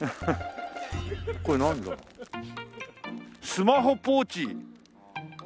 スマホポーチ。